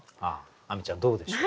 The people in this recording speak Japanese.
亜美ちゃんどうでしょう？